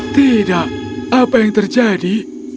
tidak apa yang terjadi